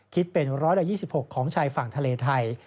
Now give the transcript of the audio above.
คิดเป็น๑๒๖ของชายฝั่งทะเลไทย